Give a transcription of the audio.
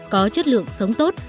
có chất lượng sống tốt